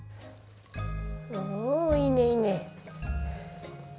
おいいねいいね。